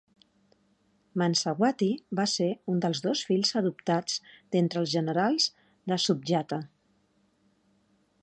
Mansa Wati va ser un dels dos fills adoptats d'entre els generals de Sundjata.